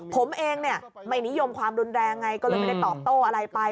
ผมเองเนี่ยไม่นิยมความรุนแรงไงก็เลยไม่ได้ตอบโต้อะไรไป